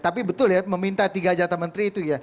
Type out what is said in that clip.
tapi betul ya meminta tiga jatah menteri itu ya